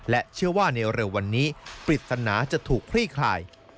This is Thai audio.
เชื่อว่าในเร็ววันนี้ปริศนาจะถูกคลี่คลาย